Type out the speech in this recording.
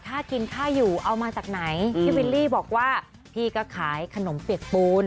ค่ากินค่าอยู่เอามาจากไหนพี่วิลลี่บอกว่าพี่ก็ขายขนมเปียกปูน